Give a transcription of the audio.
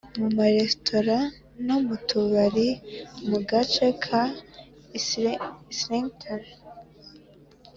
mu maresotora no mu tubari mu gace ka islington